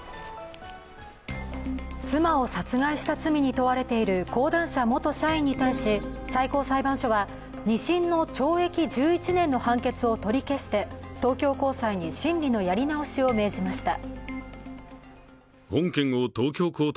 妻を殺害した罪に問われている講談社元社員に対し２審の懲役１１年の判決を取り消して東京高裁に審理のやり直しを命じました。